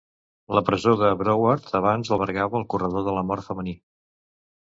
La presó de Broward abans albergava el corredor de la mort femení.